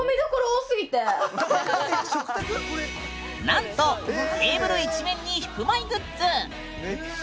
なんとテーブル一面にヒプマイグッズ！